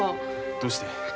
どうして？